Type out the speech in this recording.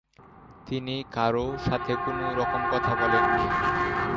তিনি কারও সাথে কোন রকম কথা বলেন না।